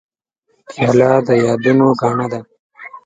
پیاله د یادونو ګاڼه ده.